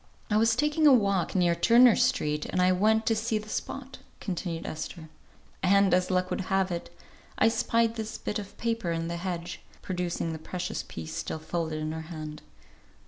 "I was taking a walk near Turner Street, and I went to see the spot," continued Esther, "and, as luck would have it, I spied this bit of paper in the hedge," producing the precious piece still folded in her hand.